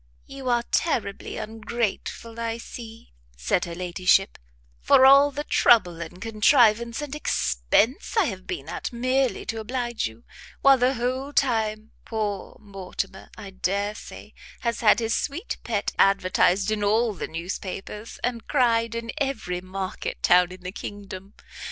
"You are terribly ungrateful, I see," said her ladyship, "for all the trouble and contrivance and expence I have been at merely to oblige you, while the whole time, poor Mortimer, I dare say, has had his sweet Pet advertised in all the newspapers, and cried in every market town in the kingdom.